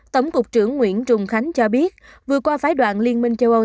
tổng cục trưởng nguyễn trùng khánh cho biết vừa qua phái đoàn liên minh châu âu